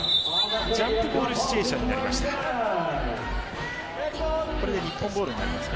ジャンプボールシチュエーションになりました。